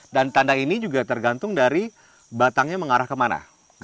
dan tanda ini juga tergantung dari batangnya mengarah ke mana